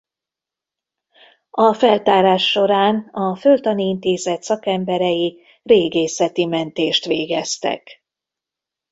A feltárás során a Földtani Intézet szakemberei régészeti mentést végeztek.